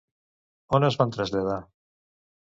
On es van traslladar?